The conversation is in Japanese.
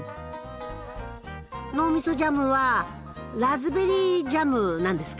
脳みそジャムはラズベリージャムなんですか。